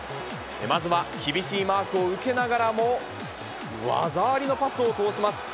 まずは厳しいマークを受けながらも、技ありのパスを通します。